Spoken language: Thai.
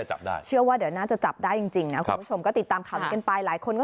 เชื่อว่าเดี๋ยวน่าจะจับได้จริงนะคุณผู้ชมก็ติดตามคำกันไป